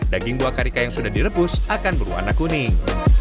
daging buah karika yang sudah direbus akan berwarna kuning